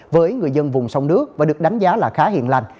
với người dân vùng sông nước và được đánh giá là khá hiện lành